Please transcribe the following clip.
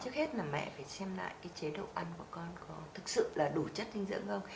trước hết là mẹ phải xem lại cái chế độ ăn của con có thực sự là đủ chất dinh dưỡng không